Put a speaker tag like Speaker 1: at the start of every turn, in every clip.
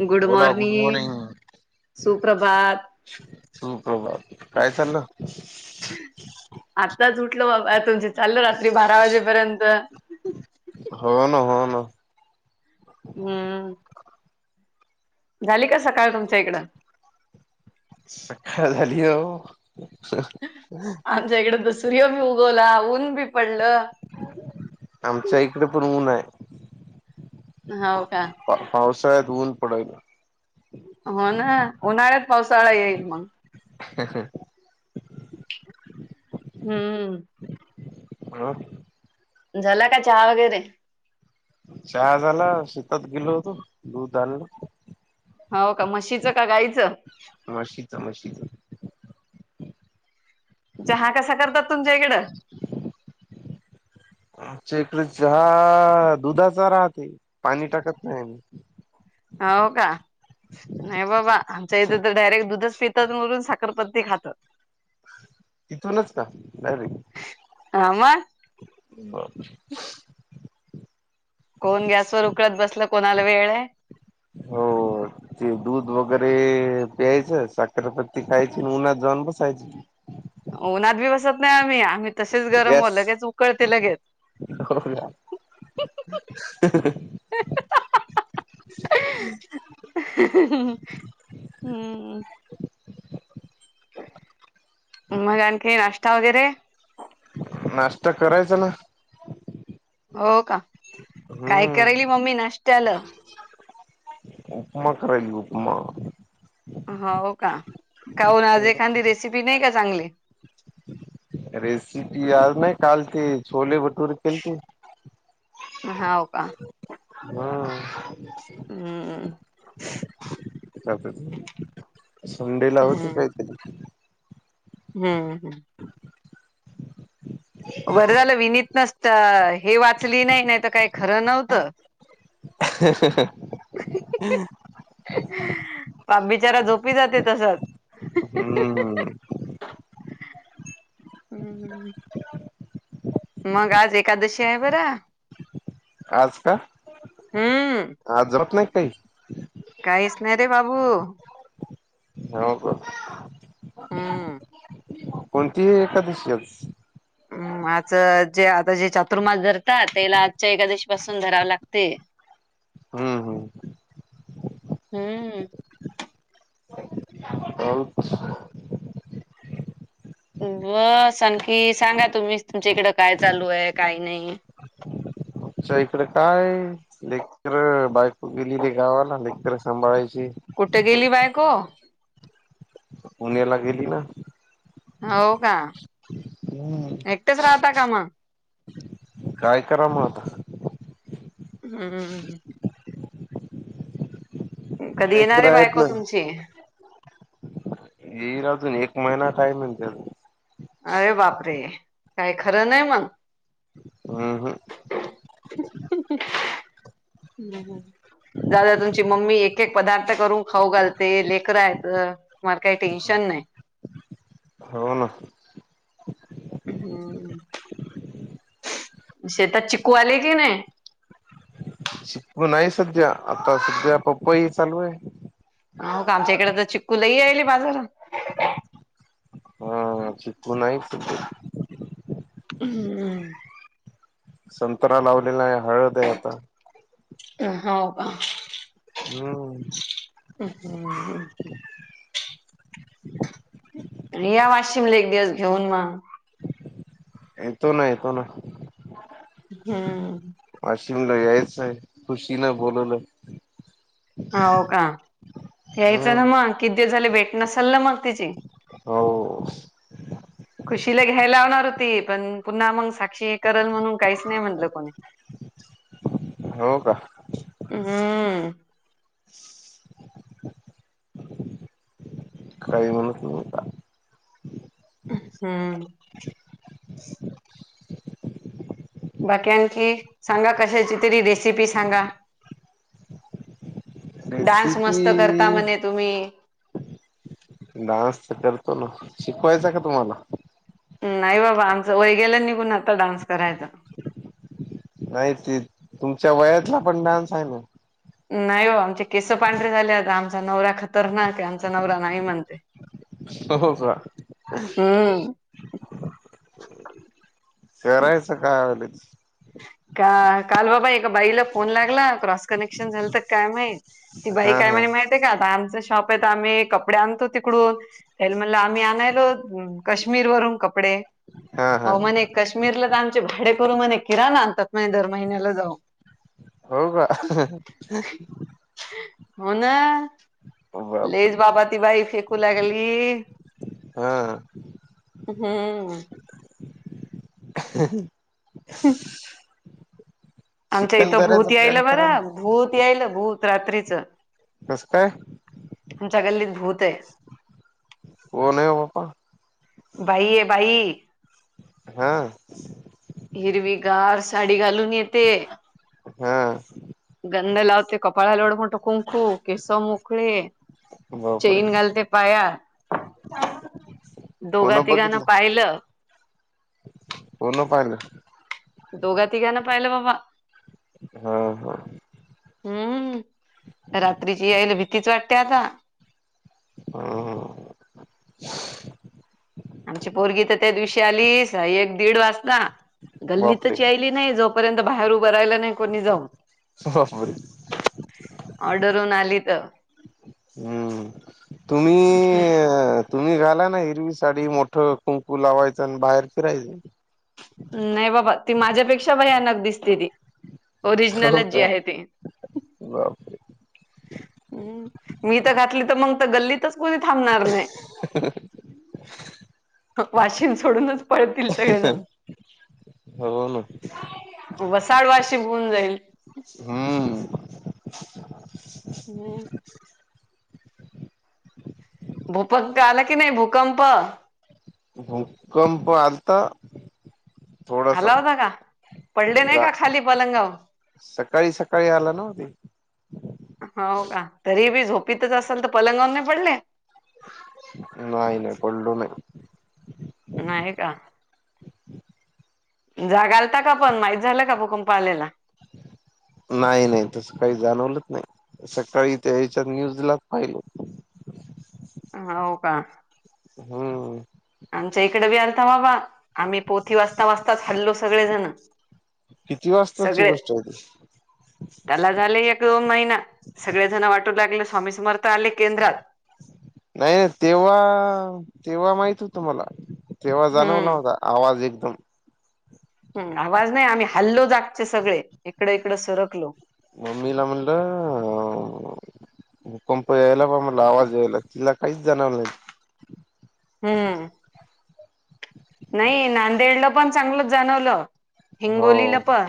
Speaker 1: Good
Speaker 2: बोला
Speaker 1: morning
Speaker 2: good morning!
Speaker 1: सुप्रभात
Speaker 2: सुप्रभात, काय चालं?
Speaker 1: आताच उठल बाबा, तुमचं चालल रात्री बारा वाजेपर्यंत.
Speaker 2: ह ना, हो न.
Speaker 1: हम्म. झाली का सकाळ तुमच्या इकडं?
Speaker 2: सकाळ झाली हो.
Speaker 1: आमच्या इकड तर सूर्य बी उगवला, ऊन बी पडलं.
Speaker 2: आमच्या इकडे पण ऊन आहे.
Speaker 1: होव का?
Speaker 2: पा पावसाळ्यात ऊन पडायल.
Speaker 1: हो ना, उन्हाळ्यात पावसाळा येईल मग.
Speaker 2: ह ह ह.
Speaker 1: हम्म.
Speaker 2: हा.
Speaker 1: झाला का चहा वगैरे?
Speaker 2: चहा झाला शेतात गेलो होतो, दूध आणायला.
Speaker 1: हो का, म्हशीचं का गायीचं?
Speaker 2: मशीच मशीच!
Speaker 1: चहा कसा करतात तुमच्या इकडं?
Speaker 2: आमच्या इकडे चहा दुधाचा राहते, पाणी टाकत नाही आम्ही.
Speaker 1: हो का? नाही बाबा आमच्या इथे तर डायरेक्ट दुधच पितात वरून, साखरपत्ती खातात.
Speaker 2: ईथूनच का, डायरेक?
Speaker 1: हा मग कोण गॅसवर उकडत बसल, कोणाला वेळ आहे?
Speaker 2: हो. ते दूध वगैरे प्यायचं, साखरपत्ती खायची, म उन्हात जाऊन बसायच!
Speaker 1: ऊनात बी बसत नाही आम्ही, आम्ही तसेच गरम व लगेच उकळते लगेेच.
Speaker 2: होका... ह ह ह.
Speaker 1: ह हा हहह. ह ह ह हम्म मग आणखी नष्टा वगैरे?
Speaker 2: नाश्ता करायचा ना!
Speaker 1: हो का, काय
Speaker 2: हम्म
Speaker 1: करायली मम्मी नाष्ट्यालं?
Speaker 2: [inaudible] उपमा कराय उपमा.
Speaker 1: होव का, काऊन आज एखांदी रेसिपी नाही का चांगली?
Speaker 2: रेसिपी आज नाही, कालते छोले भटुरे केलते.
Speaker 1: हाव का?
Speaker 2: हम्म.
Speaker 1: हम्म. [inaudible]
Speaker 2: [unintelligible] संडे ला होते
Speaker 1: हम्म
Speaker 2: काहीतरी.
Speaker 1: हम्म हम्. बर झालं विनीत नसत, हे वाचली नाही, नाही तर काय खरं नव्हतं.
Speaker 2: [unintelligible]
Speaker 1: पाप बिचारा झोपी जाते तसाच.
Speaker 2: हम्म
Speaker 1: हम्म.
Speaker 2: [inaudible]
Speaker 1: मग आज एकादशी आहे बर.
Speaker 2: आज का?
Speaker 1: हम्म,
Speaker 2: आज रहात नाही काही.
Speaker 1: काहीच नाही रे बाबू.
Speaker 2: हो का?
Speaker 1: हम्म.
Speaker 2: कोणती एकादशी हाय आज?
Speaker 1: हम्म आज जे आता जे चातुर्मास धरतात त्याला आजच्या एकादशीपासून धरावं लागते. [inaudible]
Speaker 2: हम्म, हम्म.
Speaker 1: हम्म.
Speaker 2: [unintelligible]
Speaker 1: बस आणखी सांगा तुम्हीच तुमच्या इकडं काय चालू आहे, काही नाही.
Speaker 2: आमच्या इकडं काय लेकर बायको गेलेली गावाला लेकर सांभाळायची.
Speaker 1: कुठे गेली बायको?
Speaker 2: पुण्याला गेली ना.
Speaker 1: हो का, एकटेच राहता का मग?
Speaker 2: काय कराव मग आता?
Speaker 1: हम्म. कधी येणार
Speaker 2: लेकर
Speaker 1: हाय
Speaker 2: आहेत
Speaker 1: बायको
Speaker 2: ना
Speaker 1: तुमची?
Speaker 2: येईल अजून एक महिना टाईम हाय म्हण त्याले.
Speaker 1: अरे बापरे, काय खरं नाही मग.
Speaker 2: हम्म, हं.
Speaker 1: हम्म, हम्म. जाऊद्या तुमची मम्मी एक एक एक पदार्थ करून खाऊ घालते, लेकर हायतं मला काही टेन्शन नाही.
Speaker 2: हो ना.
Speaker 1: हम्म. शेतात चिकू आले की नाही?
Speaker 2: चिकू नाही सध्या आता सध्या पपई चालू आहे.
Speaker 1: हो का? आमच्या इकडे तर चिक्कू लई यायले बाजारात.
Speaker 2: हा चिकू नाहीच हाय ते.
Speaker 1: हम्म.
Speaker 2: संतरा लावलेला आहे, हळद आहे आता.
Speaker 1: हो का?
Speaker 2: हम्म.
Speaker 1: अं हम्म, हम्म. या वाशिमला एक दिवस घेऊन मग.
Speaker 2: येतो ना, येतो ना.
Speaker 1: हम्म.
Speaker 2: वाशिमला यायचंय खुशीन बोलवलं.
Speaker 1: होव का? यायचं ना
Speaker 2: हम्म
Speaker 1: मग किती दिवस झाले भेट नसलं ना मग तिची.
Speaker 2: हो.
Speaker 1: [inaudible] खुशीला घ्याय लावणार होती, पण पुन्हा मग साक्षी करल म्हणून काहीच नाही म्हटलं कोणी. [inaudible]
Speaker 2: हो का?
Speaker 1: हम्म.
Speaker 2: काही म्हणत नव्हता.
Speaker 1: हम्म. बाकी आणखी, सांगा कशाची तरी रेसिपी सांगा. डान्स मस्त करता
Speaker 2: रेसिपी
Speaker 1: म्हणे तुम्ही.
Speaker 2: डान्स तर करतो ना शिकवायचा का तुम्हाला.
Speaker 1: नाही बाबा आमचं वय गेला निघून आता डान्स करायच.
Speaker 2: नाही ते तुमच्या वयातला पण डान्स आहे ना.
Speaker 1: नाही हो आमचे केस पांढरे झाले आता आमचा नवरा खतरनाक आहे आमचा नवरा नाही म्हणते.
Speaker 2: हो हो का.
Speaker 1: हम.
Speaker 2: करायचा काय व्हालय.
Speaker 1: का काल बाबा एका बाईला फोन लागला क्रॉस कनेक्शन झालं तर काय माहित. ती बाई
Speaker 2: हा
Speaker 1: काय
Speaker 2: हा
Speaker 1: म्हणे माहितय का आता आमच शॉप आहे आम्ही कपडे आणतो तिकडून. त्यान म्हणलं आम्ही आणायलोत काश्मीर वरून कपडे.
Speaker 2: हा हा
Speaker 1: हो म्हणे काश्मीरला तर आमचे भाडे करू म्हणे किराण आणतात म्हण दर महिन्याला जाऊ.
Speaker 2: हो का.
Speaker 1: हो ना लईच
Speaker 2: बापरे
Speaker 1: बाबा ती बाई फेकू लागली.
Speaker 2: ह.
Speaker 1: हम्म.
Speaker 2: [inaudible]
Speaker 1: [unintelligible] आमच्या इथं
Speaker 2: चिखलदऱ्याचा
Speaker 1: भूत
Speaker 2: प्लॅन
Speaker 1: यायल
Speaker 2: करा
Speaker 1: बरं
Speaker 2: ना
Speaker 1: भूत यायल भूत रात्रीचं.
Speaker 2: कस काय.
Speaker 1: आमच्या गल्लीत भूत आहे.
Speaker 2: कोण हे.
Speaker 1: भाई आहे भाई.
Speaker 2: हा.
Speaker 1: हिरवी गार साडी घालून येते.
Speaker 2: ह.
Speaker 1: गंध लावते कपाळा लोड म्हठ कुंकू केस मोकळे.
Speaker 2: बापरे
Speaker 1: चैन गाल ते पाया. दोघा
Speaker 2: फोन
Speaker 1: तिघांना
Speaker 2: बघितलं
Speaker 1: पाहिलं.
Speaker 2: कोण पहिल.
Speaker 1: दोघा तिघांना पाहिलं बाबा.
Speaker 2: हा हा.
Speaker 1: हम्म रात्रीची यायला भीतीच वाटते आता.
Speaker 2: ह
Speaker 1: आमची पोरगी तर त्या दिवशी आलीस एक दीड वाजता गल्ली
Speaker 2: बापरे
Speaker 1: तच याय नाही जोपर्यंत बाहेर उभं राहिला नाही कोणी जाऊन.
Speaker 2: बापरे.
Speaker 1: ऑर्डर होऊन आली त
Speaker 2: हम्म तुम्ही तुत तुम्ही घाला ना हिरवी साडी मोठं कुंकू लावायचं आणि बाहेर फिरायचं.
Speaker 1: नाही बाबा ते माझ्यापेक्षा भयानक दिसते ते.
Speaker 2: हो
Speaker 1: ओरिजनलच जे
Speaker 2: का
Speaker 1: आहे ते.
Speaker 2: बापरे
Speaker 1: मी तर घातली तर मग तर गल्लीतच कूणी थांबणार नाही.
Speaker 2: [inaudible]
Speaker 1: वाशीन सोडूनच पळतील सगळेजण.
Speaker 2: [unintelligible]
Speaker 1: वसाड वाशीन होऊन जाईल.
Speaker 2: हम्म.
Speaker 1: हम्म. भूपंप आला की नाही भूकंप.
Speaker 2: हो. कम पा आलता. थोडासा
Speaker 1: आला होता का, पडले नाही
Speaker 2: जा
Speaker 1: का खाली पलंगाव.
Speaker 2: सकाळी सकाळी आला ना ते
Speaker 1: हो का, तरी बी झोपीतच असाल तर, पलंगावर नाही पडले.
Speaker 2: नाही नाही पल्लो नाही.
Speaker 1: नाही का. ‌ जागालता का पण, माहीत झालं का भुकंप आलेला.
Speaker 2: नाही नाही, तसं काही जाणवलंच नाही. सकाळी त्या हेच्यात न्यूजलाच पाहिल.
Speaker 1: हौ का.
Speaker 2: हम्म.
Speaker 1: आमच्या इकडे बी आलता बाबा, आम्ही पोथी वाचता वाचताच हल्लो सगळेजण.
Speaker 2: किती वाजताची
Speaker 1: सगळे
Speaker 2: गोष्ट होती.
Speaker 1: त्याला झाले एक दोन महिना, सगळेजण वाटू लागले स्वामी समर्थ आले केंद्रात.
Speaker 2: नाही तेव्हा, तेव्हा माहित होत मला. तेव्हा जाणवला
Speaker 1: हम्म
Speaker 2: होता, आवाज एकदम.
Speaker 1: हम आवाज नाही. आम्ही हल्लो जागचे सगळे इकडं इकडं सरकलो.
Speaker 2: मम्मीला म्हडल. भूकंप यायला बा मला आवाज यायला, तिला काहीच जाणवल नाही.
Speaker 1: हम्म. नाही नांदेडला पण चांगलं जाणवलं
Speaker 2: हो
Speaker 1: हिंगोलीला पण.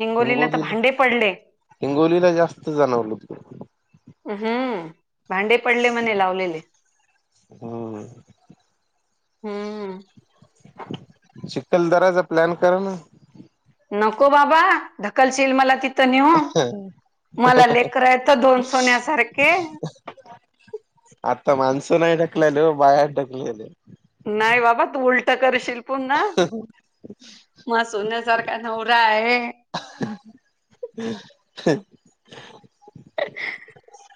Speaker 1: हिंगोलीला तर भांडे पडले.
Speaker 2: हिंगोलीला जास्त जाणवलं.
Speaker 1: हम्म, भांडे पडले म्हणे लावलेले.
Speaker 2: हम.
Speaker 1: हम्म
Speaker 2: चिखल दराचा प्लॅन करा ना.
Speaker 1: नको बाबा ढकलशील मला ति तनी हो, मला लेकर हायत दोन सोन्यासारखे.
Speaker 2: आता मानस नाही, ढकलेल बायाच ढकलेल.
Speaker 1: नाही बाबा तू उलट करशील पुन्हा. मग सोन्यासारखा नवरा आहे.
Speaker 2: हम्. [unintelligible]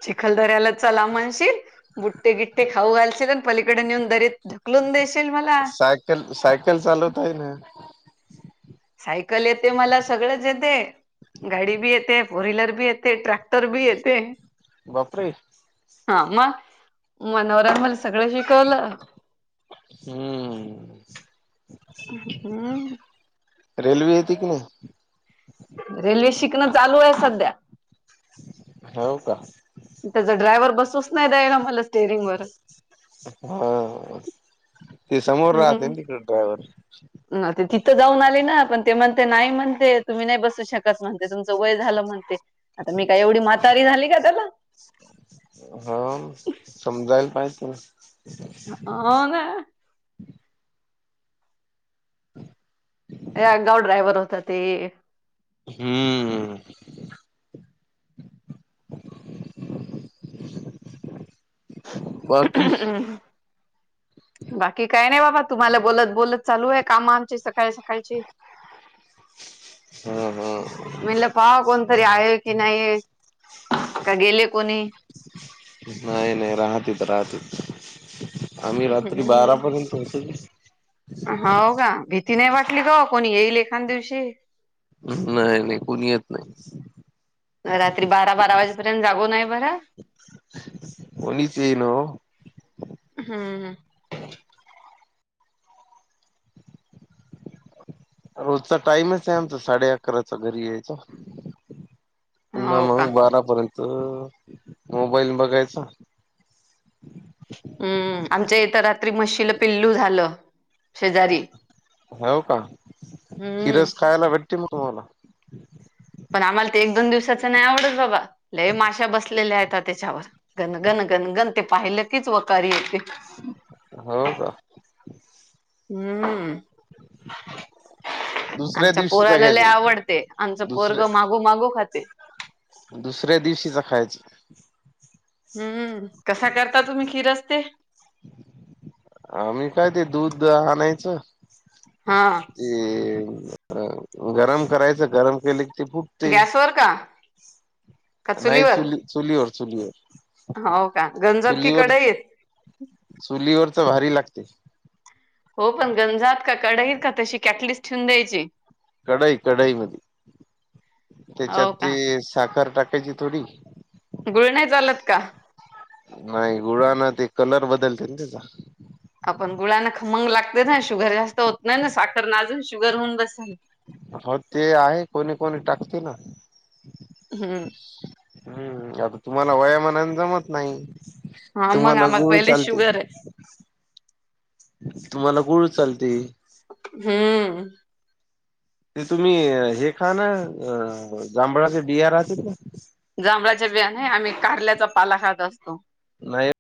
Speaker 1: चिखल दऱ्याला चला म्हणशील, बुट्टे गिट्टे खाऊ घालशील, आणि पलीकडे नेऊन दरीत ढक हकलून देशील मला.
Speaker 2: सायकल सायकल चालवताय ना.
Speaker 1: सायकल येते, मला सगळंच येते. गाडी बी येते, फोर व्हीलर, बी येते ट्रॅक्टर बी येते.
Speaker 2: बापरे.
Speaker 1: हा मग, मनोराम मल सगळं शिकवलं.
Speaker 2: हम्म.
Speaker 1: हम्.
Speaker 2: तु येते की नाही.
Speaker 1: रेल्वे शिकणं चालू आहे सध्या.
Speaker 2: होव का.
Speaker 1: त्यांचा ड्रायव्हर बसूच नाही, द्यायला मला स्टेअरिंग वर.
Speaker 2: हा, ते समोर राहते
Speaker 1: हम्म
Speaker 2: ना तिकडे ड्रायव्हर.
Speaker 1: ते तिथं जाऊन आली ना, पण ते म्हणते नाही म्हणते तुम्ही नाही बसू शकत. म्हणते तुमचं वय झालं. म्हणते आता मी काय एवढी, म्हातारी झाली का त्याला.
Speaker 2: हाव. समजायला पाहिजे तीला.
Speaker 1: आ काय. या आगाव ड्रायव्हर होता ते.
Speaker 2: हम्म बाकी.
Speaker 1: हम्. बाकी काय नाही बाबा, तुम्हाला बोलत बोलत चालू आहे काम आमची सकाळी सकाळची. [inaudible]
Speaker 2: हा हा.
Speaker 1: म्हणलं पाहा कोणतरी आहे की नाही, की गेले कोणी.
Speaker 2: नाही नाही राहतीत राहतीत, आम्ही रात्री बारापर्यंत होतो.
Speaker 1: हौ का, भीती नाही वाटली का ओ, कोणी येईल एखाद दिवशी.
Speaker 2: नाही नाही कुणी येत नाही.
Speaker 1: रात्री बारा बारा वाजेपर्यंत जागो नये बर.
Speaker 2: कोणीच येईना ओ.
Speaker 1: हम.
Speaker 2: रोजचा टाइमच आहे, आमचा साडे अकराचा घरी यायचा. पुन्हा
Speaker 1: हो का
Speaker 2: मग बारापर्यंत, मोबाईल बघायचा.
Speaker 1: हम्म, आमच्या इथं रात्री म्हशीला पिल्लू झालं शेजारी.
Speaker 2: हो का,
Speaker 1: हम्म
Speaker 2: खिरस खायला भेटते मग तुम्हाला.
Speaker 1: पण आम्हाला ते एक दोन दिवसाच नाही आवडत बाबा, लय माशा बसलेल्या आहेत तेच्यावर. गनगन गनगन ते पाहिलं कीच वकार येते.
Speaker 2: हो का.
Speaker 1: हम्म.
Speaker 2: दुसऱ्या
Speaker 1: आमच्या
Speaker 2: दिवशीचा
Speaker 1: पोराला लै
Speaker 2: घ्यायचा
Speaker 1: आवडते. आमचं पोरग
Speaker 2: दुसऱ्या
Speaker 1: मागू मागू खाते.
Speaker 2: दुसऱ्या दिवशीच खायच.
Speaker 1: हम्म, कसा करता तुम्ही खिरस्ते.
Speaker 2: आम्ही काय ते दूध आणायचं.
Speaker 1: हा.
Speaker 2: ते.. गरम करायचं गरम केले, की ते फूट
Speaker 1: गॅसवर का. का
Speaker 2: नाही
Speaker 1: चुलीवर
Speaker 2: चुली चुलीवर चुलीवर.
Speaker 1: हो का, गंजती
Speaker 2: चुलीवर
Speaker 1: कडईत.
Speaker 2: चुलीवरच भारी लागते.
Speaker 1: हो पण गंजात का कढाईत का तशी कॅटलीस ठेवून द्यायची.
Speaker 2: कढई कढई मध्यी,
Speaker 1: हो
Speaker 2: त्यांच्यात ते
Speaker 1: का
Speaker 2: साखर टाकायची थोडी.
Speaker 1: गुळ नाही चालत का.
Speaker 2: नाही गुळा ना ते, कलर बदलते ना तेचा.
Speaker 1: आपण गुळाना खमंग लागते ना, शुगर जास्त होत नाही ना, साखरन अजून शुगर होऊन बसल.
Speaker 2: हो ते आहे कोणी कोणी टाकते ना.
Speaker 1: हम्म.
Speaker 2: हम्म, आता तुम्हाला वयामानान जमत नाही.
Speaker 1: हा मग
Speaker 2: तुम्हाला
Speaker 1: आम्हाला
Speaker 2: गुळ
Speaker 1: पहिले
Speaker 2: चालते की.
Speaker 1: शुगर आहे.
Speaker 2: तुम्हाला गुळ चालते.
Speaker 1: हम्म.
Speaker 2: ते तुम्ही हे खाना, जांभळाचे बिया राहते ना.
Speaker 1: जांभळाच्या बिया नाही, आम्ही कारल्याचा पाला खात असतो.
Speaker 2: नाही.